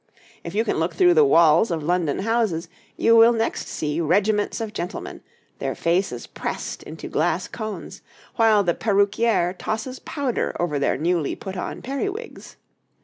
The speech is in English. If you can look through the walls of London houses you will next see regiments of gentlemen, their faces pressed into glass cones, while the peruquier tosses powder over their newly put on periwigs.